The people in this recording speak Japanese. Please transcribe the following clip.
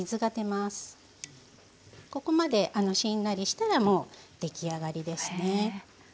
ここまでしんなりしたらもう出来上がりですね。